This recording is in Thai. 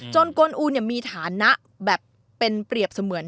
จนกวนอูเนี่ยมีฐานะแบบเป็นเปรียบเสมือน